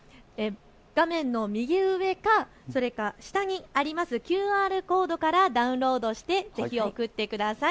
画面の右上か下にあるＱＲコードからダウンロードしてぜひ送ってください。